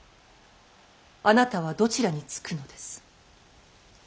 あなたはどちらにつくのです。